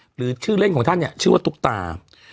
หรือชื่อเล่นของท่านเนี่ยชื่อว่าตุ๊กตา